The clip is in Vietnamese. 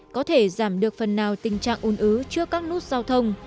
có thể giảm được phần nào tình trạng ồn ứ trước các nút giao thông